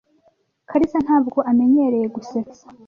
Kariza ntabwo amenyereye gusetsa.